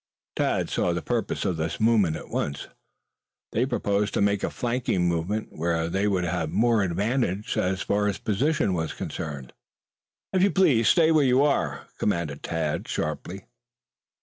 Tad saw the purpose of the movement at once. They proposed to make a flanking movement where they would have more advantage so far as position was concerned. "If you please, stay where you are!" commanded Tad sharply.